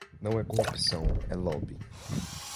Não é corrupção, é lobby